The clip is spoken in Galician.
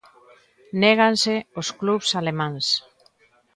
Néganse os clubs alemáns.